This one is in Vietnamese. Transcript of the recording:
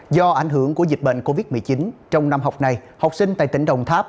do ảnh hưởng của dịch bệnh covid một mươi chín trong năm học này học sinh tại tỉnh đồng tháp